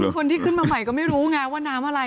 คนที่ขึ้นมาใหม่ก็ไม่รู้ไงว่าน้ำอะไร